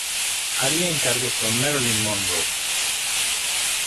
Haría encargos con Marilyn Monroe.